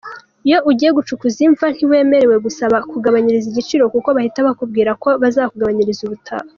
Iyo ugiye gucukuza imva ntiwemerewe gusaba kugabanyirizwa igiciro kuko bahita bakubwira ko bazakugabanyiriza ubutaha.